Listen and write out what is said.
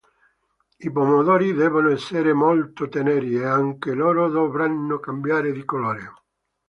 I pomodori devono essere molto teneri e anche loro dovranno cambiare di colore.